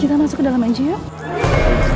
kita masuk kedalam aji' ya